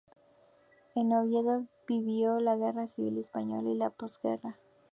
En Oviedo vivió la guerra civil española y la postguerra.